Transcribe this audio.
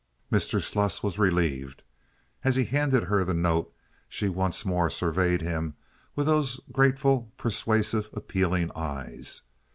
Mr. Sluss was relieved. As he handed her the note she once more surveyed him with those grateful, persuasive, appealing eyes.